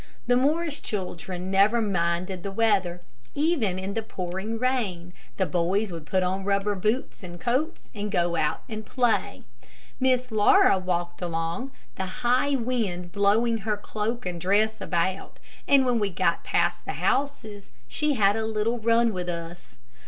The Morris children never minded the weather. Even in the pouring rain, the boys would put on rubber boots and coats and go out to play. Miss Laura walked along, the high wind blowing her cloak and dress about, and when we got past the houses, she had a little run with us.